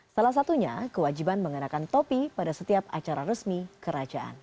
salah satunya kewajiban mengenakan topi pada setiap acara resmi kerajaan